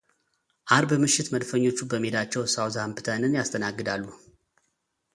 ዓርብ ምሽት መድፈኞቹ በሜዳቻው ሳውዝሃምፕተንን ያስተናግዳሉ።